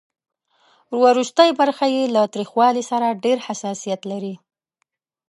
ورستۍ برخه یې له تریخوالي سره ډېر حساسیت لري.